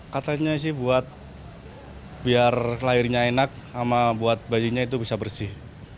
katanya sih buat biar lahirnya enak sama buat bayinya itu bisa bersih